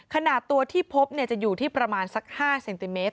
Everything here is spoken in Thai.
ขนาดตัวที่พบจะอยู่ที่ประมาณสัก๕เซนติเมตร